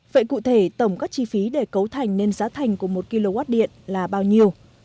vậy cụ thể tổng các chi phí để cấu thành nên giá thành của một kw điện là bao nhiêu